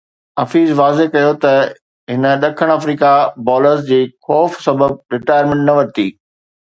حفيظ واضح ڪيو ته هن ڏکڻ آفريڪي بالرز جي خوف سبب رٽائرمينٽ نه ورتي